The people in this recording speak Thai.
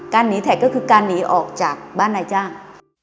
หนีแท็กก็คือการหนีออกจากบ้านนายจ้าง